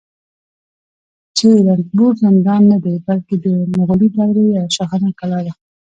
چې رنتنبور زندان نه دی، بلکې د مغولي دورې یوه شاهانه کلا ده